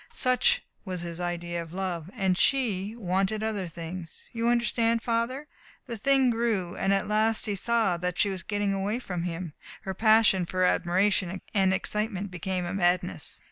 Such was his idea of love. And she wanted other things. You understand, Father?... The thing grew, and at last he saw that she was getting away from him. Her passion for admiration and excitement became a madness.